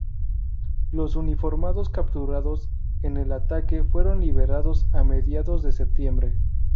Los uniformados capturados en el ataque fueron liberados a mediados de septiembre.